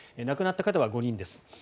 亡くなった方は５人です。